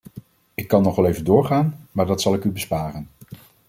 Ik kan nog wel even doorgaan, maar dat zal ik u besparen.